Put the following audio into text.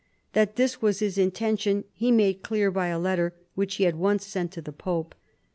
That this was his intention he made clear by a letter which he at once sent to the pope.